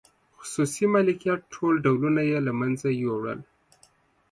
خصوصي مالکیت ټول ډولونه یې له منځه یووړل.